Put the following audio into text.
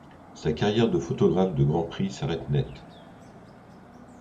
Sa carrière de photographe de Grands Prix s'arrête nette.